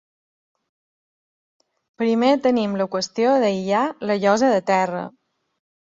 Primer tenim la qüestió d"aïllar la llosa de terra.